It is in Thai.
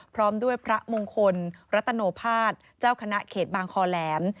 พร้อมด้วยพระมงคลรัตโนภาษเจ้าคณะเขตบางคอแหลม